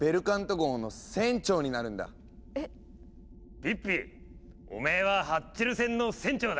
ピッピおめえはハッチェル船の船長だ。